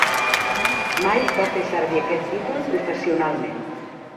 Mai va fer servir aquest títol professionalment.